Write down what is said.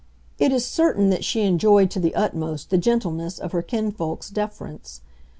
It is certain that she enjoyed to the utmost the gentleness of her kinsfolk's deference.